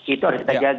itu harus kita jaga